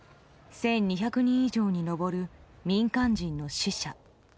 １２００人以上に上る民間人の死者。